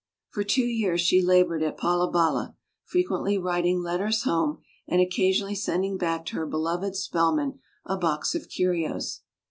For two years she labored at Palabala, frequently writing letters home and occa sionally sending back to her beloved Spel man a box of curios.